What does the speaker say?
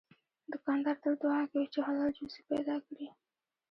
دوکاندار تل دعا کوي چې حلال روزي پیدا کړي.